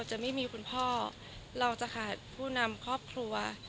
จะไม่มีคุณพ่อเราจะขาดผู้นำครอบครัว